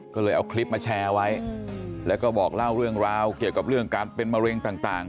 ก็เลยเอาคลิปมาแชร์ไว้แล้วก็บอกเล่าเรื่องราวเกี่ยวกับเรื่องการเป็นมะเร็งต่าง